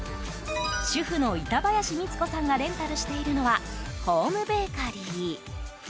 主婦の板林美都子さんがレンタルしているのはホームベーカリー。